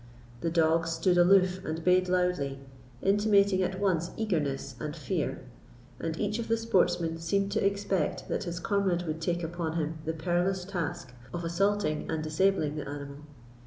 The dogs stood aloof and bayed loudly, intimating at once eagerness and fear, and each of the sportsmen seemed to expect that his comrade would take upon him the perilous task of assaulting and disabling the animal.